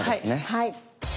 はい。